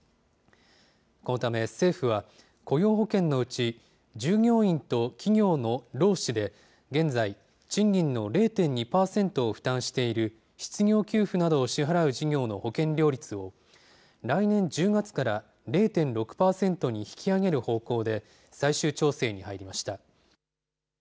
このため政府は、雇用保険のうち従業員と企業の労使で現在、賃金の０．２％を負担している失業給付などを支払う事業の保険料率を、来年１０月から０．６％に引き上げる方向で、最終調整に入りました。